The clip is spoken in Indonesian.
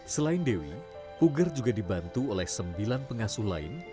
selain dewi puger juga dibantu oleh sembilan pengasuh lain